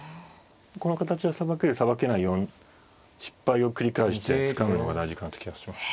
この形はさばけるさばけない失敗を繰り返してつかむのが大事かなって気がします。